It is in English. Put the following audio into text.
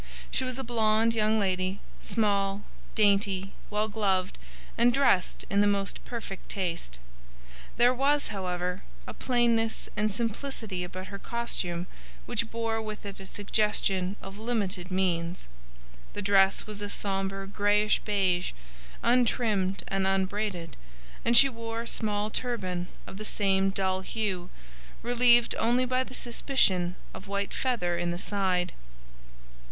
She was a blonde young lady, small, dainty, well gloved, and dressed in the most perfect taste. There was, however, a plainness and simplicity about her costume which bore with it a suggestion of limited means. The dress was a sombre greyish beige, untrimmed and unbraided, and she wore a small turban of the same dull hue, relieved only by a suspicion of white feather in the side.